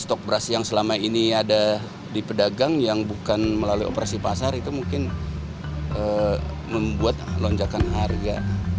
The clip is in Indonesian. stok beras yang selama ini ada di pedagang yang bukan melalui operasi pasar itu mungkin membuat lonjakan harga